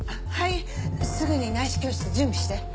はいすぐに内視鏡室準備して。